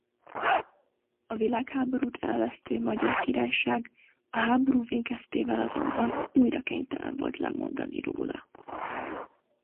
A világháborút elvesztő Magyar Királyság a háború végeztével azonban újra kénytelen volt lemondani róla.